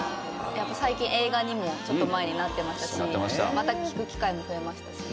やっぱり最近映画にもちょっと前になってましたしまた聴く機会も増えましたし。